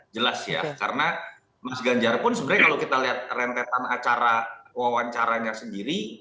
jelas ya karena mas ganjar pun sebenarnya kalau kita lihat rentetan acara wawancaranya sendiri